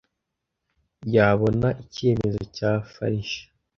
yabona icyemezo cya farg